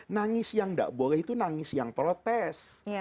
nangis yang tidak boleh itu nangis yang protes